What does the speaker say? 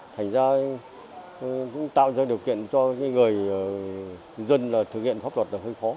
thành ra cũng tạo ra điều kiện cho người dân là thực hiện pháp luật